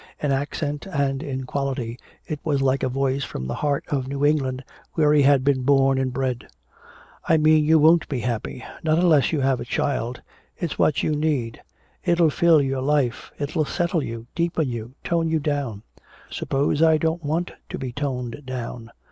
In accent and in quality it was like a voice from the heart of New England where he had been born and bred. "I mean you won't be happy not unless you have a child! It's what you need it'll fill your life! It'll settle you deepen you tone you down!" "Suppose I don't want to be toned down!"